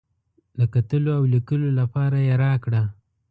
د کتلو او لیکلو لپاره یې راکړه.